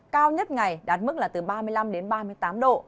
cao nhất ngày đạt mức là từ ba mươi năm đến ba mươi tám độ